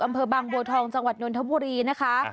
อำเภอบางบัวทองจังหวัดนทบุรีนะคะ